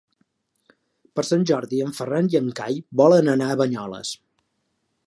Per Sant Jordi en Ferran i en Cai volen anar a Banyoles.